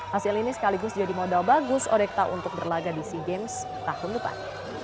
hasil ini sekaligus jadi modal bagus odekta untuk berlaga di sea games tahun depan